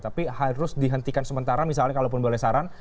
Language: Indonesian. tapi harus dihentikan sementara misalnya kalau pun boleh saran